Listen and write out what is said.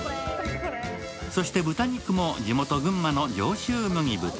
そして、豚肉も地元・群馬の上州麦豚。